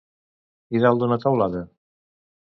I dalt d'una teulada?